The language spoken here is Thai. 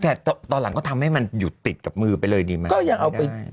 แต่ตอนหลังก็ทำให้มันอยู่ติดกับมือไปเลยดีไหมก็ยังเอาไป